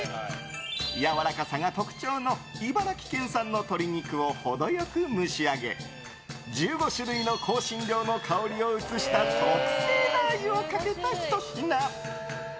やわらかさが特徴の茨城県産の鶏肉を程良く蒸し上げ１５種類の香辛料の香りを移した特製ラー油をかけたひと品。